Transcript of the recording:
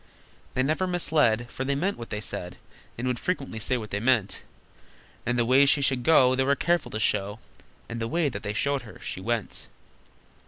They never misled, For they meant what they said, And would frequently say what they meant, And the way she should go They were careful to show, And the way that they showed her, she went.